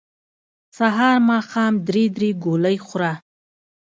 سحر ماښام درې درې ګولۍ خوره